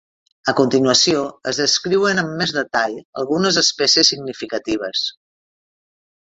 A continuació, es descriuen amb més detall algunes espècies significatives.